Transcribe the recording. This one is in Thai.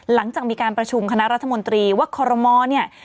หลังจากมีการประชุมคณะรัฐมนตรีว่าคอรมอลเนี่ย